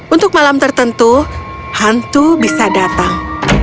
untuk malam tertentu hantu bisa datang